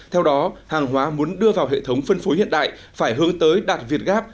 theo đó hàng hóa muốn đưa vào hệ thống phân phối hiện đại phải hướng tới đạt việt gáp